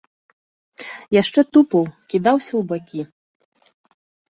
Яшчэ тупаў, кідаўся ў бакі.